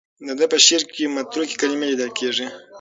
د ده په شعر کې متروکې کلمې لیدل کېږي.